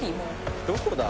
どこだ？